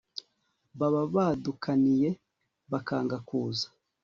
baba badukaniye bakanga kuza